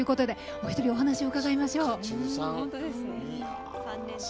お一人、お話を伺いましょう。